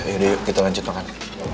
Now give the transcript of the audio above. yaudah yuk kita lanjut makan